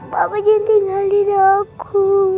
papa jangan tinggalin aku